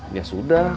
mas suha jahat